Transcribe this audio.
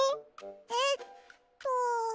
えっと。